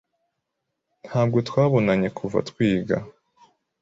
Ntabwo twabonanye kuva twiga.